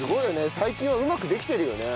最近はうまくできてるよね